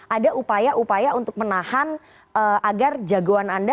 ada upaya upaya untuk menahan agar jagoan anda